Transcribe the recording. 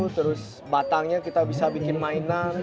terus batangnya kita bisa bikin mainan